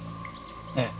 ええ。